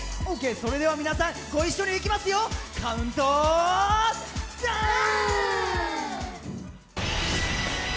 それでは皆さん、ご一緒にいきますよ、カウントダウン！